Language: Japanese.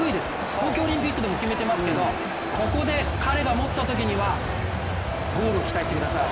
東京オリンピックでも決めてますけどここで、彼が持ったときにはゴールを期待してください。